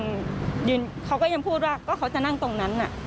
ไม่ได้รู้สึกเพราะเขาก็ยังพูดว่าเขาจะนั่งตรงนั้น